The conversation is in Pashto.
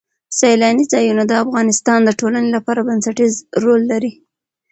سیلانی ځایونه د افغانستان د ټولنې لپاره بنسټيز رول لري.